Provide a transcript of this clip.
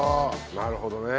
なるほどね。